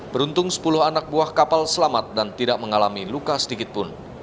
beruntung sepuluh anak buah kapal selamat dan tidak mengalami luka sedikit pun